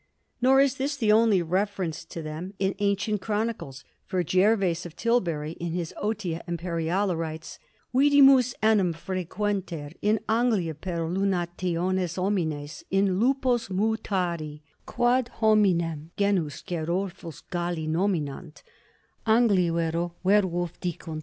Nor is this the only reference to them in ancient chronicles, for Gervase of Tilbury, in his "Otia Imperiala," writes: "Vidimus enim frequenter in Anglia per lunationes homines in lupos mutari, quod hominum genus gerulphos Galli nominant, Angli vero were wulf dicunt."